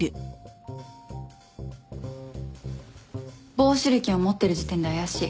棒手裏剣を持ってる時点で怪しい。